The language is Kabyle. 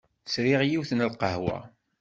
Sriɣ yiwet n lqahwa.